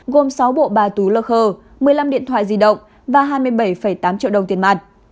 gồm sáu bộ bà tú lơ một mươi năm điện thoại di động và hai mươi bảy tám triệu đồng tiền mặt